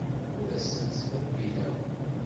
Ur asent-ttḍebbileɣ.